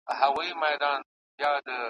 د مېله والو مستو زلمیو ,